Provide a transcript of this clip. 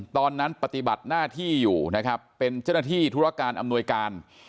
ตอนนั้นปฏิบัติหน้าที่อยู่นะครับเป็นเจ้าหน้าที่ธุรการอำนวยการ